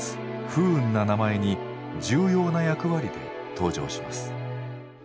「不運な名前」に重要な役割で登場します。